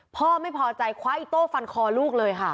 พ่อไม่พอใจคว้าอิโต้ฟันคอลูกเลยค่ะ